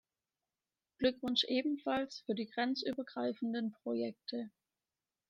Glückwunsch ebenfalls für die grenzübergreifenden Projekte.